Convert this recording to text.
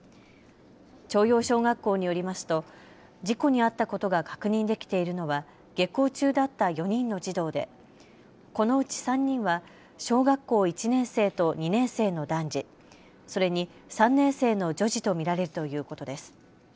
朝陽小学校によりますと事故に遭ったことが確認できているのは下校中だった４人の児童でこのうち３人は小学校１年生と２年生の男児、それに３年生の女児と見られるということです。